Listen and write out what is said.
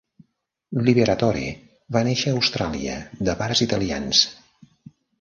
Liberatore va néixer a Austràlia de pares italians.